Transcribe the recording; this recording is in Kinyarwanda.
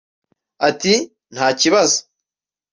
Ati “Nta kibazo